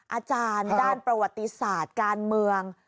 อาจารย์ด้านประวัติศาสตร์การเมือง